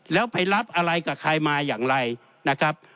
แล้วไปรับอะไรกับใครมาอย่างไรนะครับ